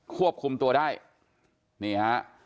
ควบคุมตัวได้นี่ฮะ